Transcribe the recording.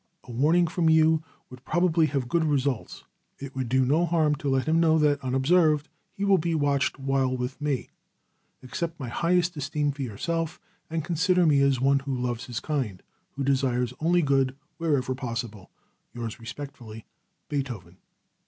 A warning from you would probably have good results. It would do no harm to let him know that unobserved he will be watched while with me. Accept my highest esteem for yourself, and consider me as one who loves his kind, who desires only good wherever possible. Yours respectfully, BEETHOVEN.